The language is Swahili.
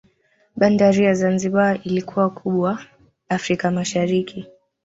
Bandari ya Zanzibar ilikuwa kubwa Afrika Mashariki